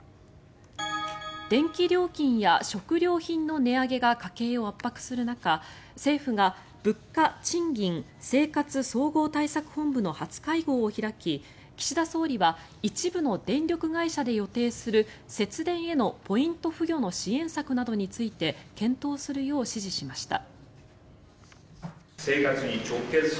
電気料金や食料品の値上げが家計を圧迫する中政府が物価・賃金・生活総合対策本部の初会合を開き、岸田総理は一部の電力会社で予定する節電へのポイント付与の支援策などについて検討するよう指示しました。